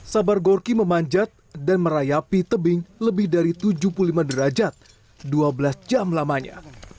sabar gorki memanjat dan merayapi tebing lebih dari tujuh puluh lima derajat dua belas jam lamanya